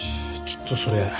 ちょっとそれいい？